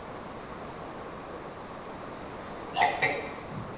প্রচণ্ড ভিড় থাকায় আমি পরিবারের লোকজনকে বাইরে যেতে আগেই মানা করেছিলাম।